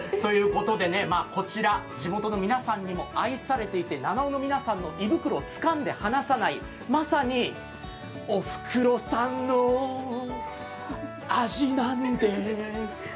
こちら、地元の皆さんにも愛されていて七尾の皆さんの胃袋をつかんで離さない、まさにお・ふ・く・ろさんの味なんです。